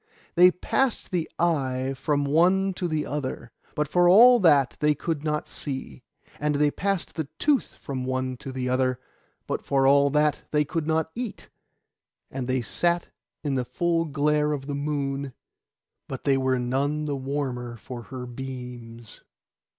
They passed the eye from one to the other, but for all that they could not see; and they passed the tooth from one to the other, but for all that they could not eat; and they sat in the full glare of the moon, but they were none the warmer for her beams.